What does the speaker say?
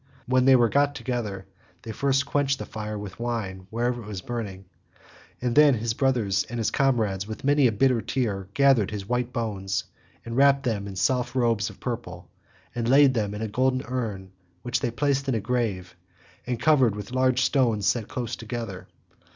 When they were got together, they first quenched the fire with wine wherever it was burning, and then his brothers and comrades with many a bitter tear gathered his white bones, wrapped them in soft robes of purple, and laid them in a golden urn, which they placed in a grave and covered over with large stones set close together.